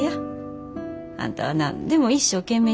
あんたは何でも一生懸命やるやろ。